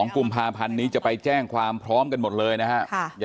เขาก็เหมือนเขามีปมด้อยอ่ะ